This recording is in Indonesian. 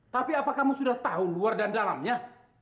tapi apakah kamu sudah tahu luar dan dalamnya